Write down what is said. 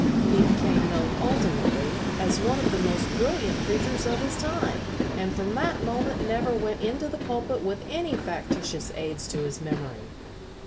He became known ultimately as one of the most brilliant preachers of his time, and from that moment never went into the pulpit with any factitious aids to his memory."